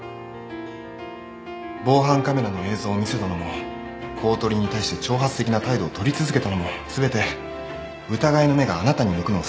防犯カメラの映像を見せたのも公取に対して挑発的な態度を取り続けたのも全て疑いの目があなたに向くのを避けるため。